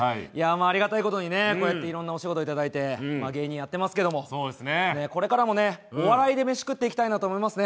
ありがたいことにこうしていろんなお仕事いただいて芸人やっていますけれどもこれからも、お笑いでメシ食っていきたいなと思いますね。